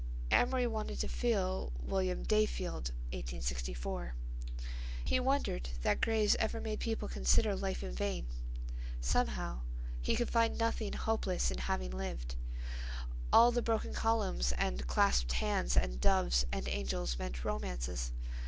Amory wanted to feel "William Dayfield, 1864." He wondered that graves ever made people consider life in vain. Somehow he could find nothing hopeless in having lived. All the broken columns and clasped hands and doves and angels meant romances.